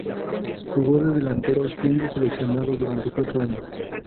Jugó de delantero, siendo seleccionado durante cuatro años.